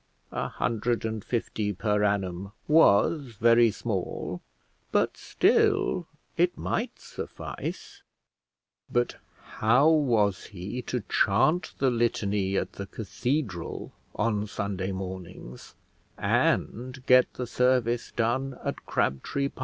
A hundred and fifty per annum was very small, but still it might suffice; but how was he to chant the litany at the cathedral on Sunday mornings, and get the service done at Crabtree Parva?